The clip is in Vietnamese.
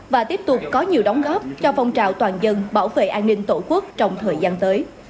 và tiếp tục có nhiều đóng góp cho phong trào toàn dân bảo vệ an ninh tổ quốc trong thời gian tới